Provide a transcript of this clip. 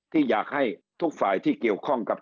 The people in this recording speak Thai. ที่อยากให้ทุกฝ่ายที่เกี่ยวข้องกับ